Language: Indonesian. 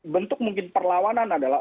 bentuk mungkin perlawanan adalah